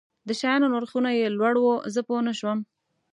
د شیانو نرخونه یې لوړ وو، زه پوه شوم.